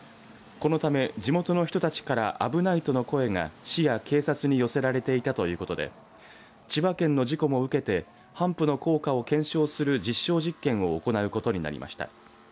このため地元の人たちから危ないとの声が市や警察に寄せられていたということで千葉県の事故も受けてハンプの効果を検証する実証実験を行うことになりました。